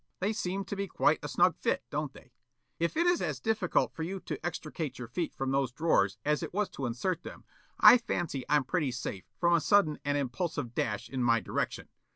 They seem to be quite a snug fit, don't they? If it is as difficult for you to extricate your feet from those drawers as it was to insert them, I fancy I'm pretty safe from a sudden and impulsive dash in my direction.